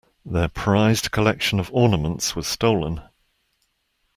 Their prized collection of ornaments was stolen.